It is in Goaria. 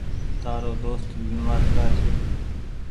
تآرو دوست بيمآر ڪآ ڇي۔